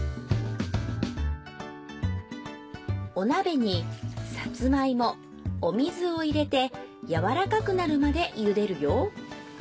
お鍋にさつまいもお水を入れてやわらかくなるまで茹でるよ。